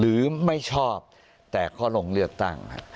หรือไม่ชอบแต่ก็ลงเลือกตั้ง